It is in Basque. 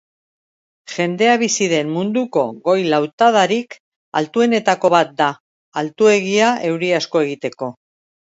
Jendea bizi den munduko goi-lautadarik altuenetako bat da, altuegia euri asko egiteko.